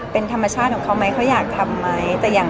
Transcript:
เป็นธรรมชาติของเขาไหมเขาอยากทำไหม